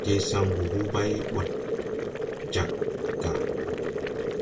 Je saŋgu hu bay ɓay ɓɔd jag gà.